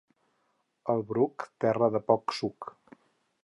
El Bruc, terra de poc suc.